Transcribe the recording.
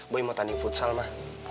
boi mau tanding futsal ma